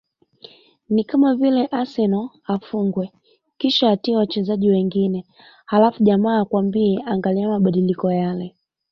"Ni kama vile Arsenali afungwe kasha atie wachezaji wengine halafu jamaa akwambie, angalia mabadiliko yale"